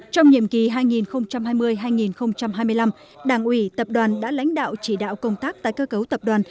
trong nhiệm kỳ hai nghìn hai mươi hai nghìn hai mươi năm đảng ủy tập đoàn đã lãnh đạo chỉ đạo công tác tái cơ cấu tập đoàn